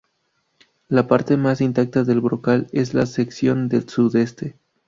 La parte más intacta del brocal es la sección del sudeste.